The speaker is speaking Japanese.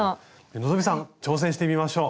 希さん挑戦してみましょう！